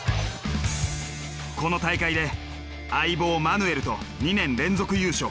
この大会で相棒マヌエルと２年連続優勝。